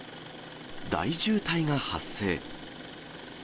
大渋滞が発生。